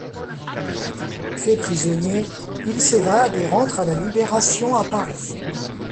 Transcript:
Fait prisonnier, il s’évade et rentre à la Libération à Paris.